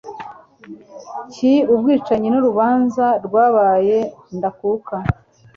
cy ubwicanyi n urubanza rwabaye ndakuka